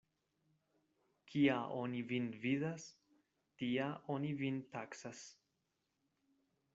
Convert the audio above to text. Kia oni vin vidas, tia oni vin taksas.